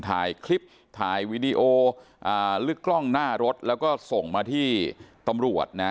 ถ่ายคลิปถ่ายวีดีโออ่าลึกกล้องหน้ารถแล้วก็ส่งมาที่ตำรวจนะ